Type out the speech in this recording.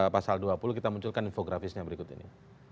pasal dua puluh kita munculkan infografisnya berikut ini